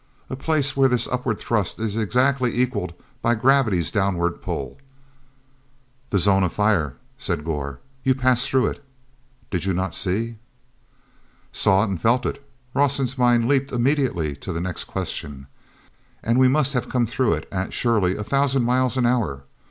A place where this upward thrust is exactly equalled by gravity's downward pull. "The zone of fire," said Gor. "You passed through it. Did you not see?" "Saw it and felt it!" Rawson's mind leaped immediately to the next question. "And we must have come through it at, surely, a thousand miles an hour.